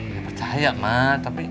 gak percaya ma tapi